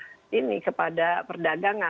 kepada ini kepada perdagangan